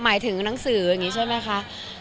หมายถึงหนังสืออย่างนี้ใช่ไหมคะ